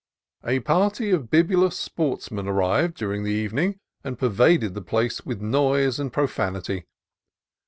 A party of bibulous sportsmen arrived during the evening and pervaded the place with noise and pro fanity.